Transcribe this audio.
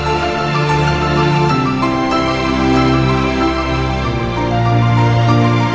alhamdulillah i'm back